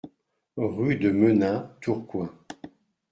Rue de Menin, Tourcoing